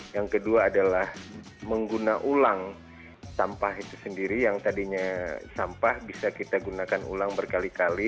yang kedua adalah mengguna ulang sampah itu sendiri yang tadinya sampah bisa kita gunakan ulang berkali kali